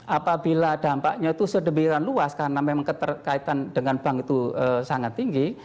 apabila dampaknya itu sedemikian luas karena memang keterkaitan dengan bank itu sangat tinggi